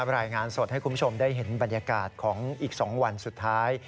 รายงานสดให้คุณผู้ชมได้เห็นบรรยากาศของอีก๒วันสุดท้าย